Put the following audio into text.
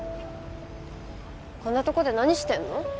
こんなとこで何してるの？